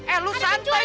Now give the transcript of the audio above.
eh lu santai dong